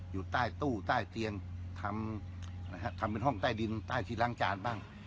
อยู่ใต้ตู้ใต้เตียงทำนะฮะทำเป็นห้องใต้ดินใต้ที่ล้างจานบ้าง